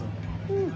うん。